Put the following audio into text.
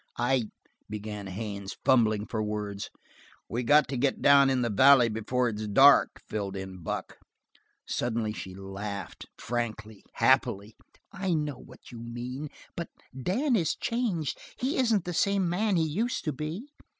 "I " began Haines, fumbling for words. "We got to get down in the valley before it's dark," filled in Buck. Suddenly she laughed, frankly, happily. "I know what you mean, but Dan is changed; he isn't the same man he used to be."